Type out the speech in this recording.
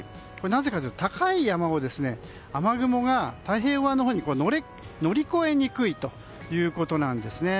なぜかというと高い山は雨雲が太平洋側に乗り越えにくいということなんですね。